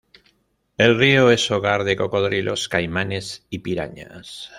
El río es hogar de cocodrilos, caimanes y pirañas.